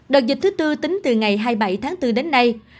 đợt dịch thứ tư tính từ ngày hai mươi bảy tháng bốn đến nay